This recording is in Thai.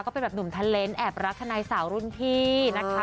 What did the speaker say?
ก็เป็นแบบหนุ่มเทอร์เลนส์แอบรักทนายสาวรุ่นพี่นะคะ